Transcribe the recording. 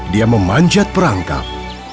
dia memanjat perangkap